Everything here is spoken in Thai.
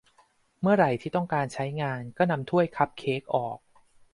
เมื่อไรที่ต้องการใช้งานก็นำถ้วยคัพเค้กออก